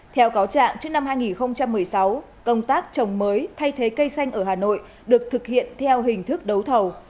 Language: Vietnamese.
theo cáo trạng trước năm hai nghìn một mươi sáu công tác trồng mới thay thế cây xanh ở hà nội được thực hiện theo hình thức đấu thầu